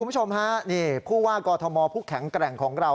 คุณผู้ชมฮะนี่ผู้ว่ากอทมผู้แข็งแกร่งของเรา